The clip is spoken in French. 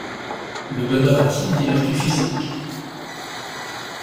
Le bonheur a-t-il des vertus physiques?